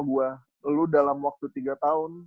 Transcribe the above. buah lu dalam waktu tiga tahun